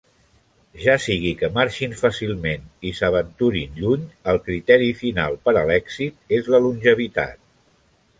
Ja sigui que marxin fàcilment i s'aventurin lluny, el criteri final per a l'èxit és la longevitat.